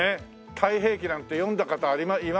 『太平記』なんて読んだ方います？